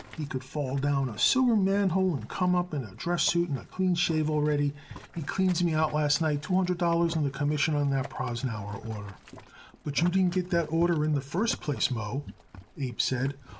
He could fall down a sewer manhole and come up in a dress suit and a clean shave already. He cleans me out last night two hundred dollars and the commission on that Prosnauer order." "But you didn't get that order in the first place, Moe," Abe said.